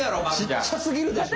ちっちゃすぎるでしょ。